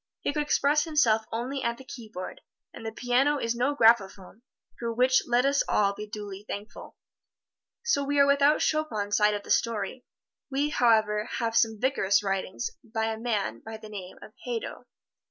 He could express himself only at the keyboard, and the piano is no graphophone, for which let us all be duly thankful. So we are without Chopin's side of the story. We, however, have some vigorous writing by a man by the name of Hadow. Mr.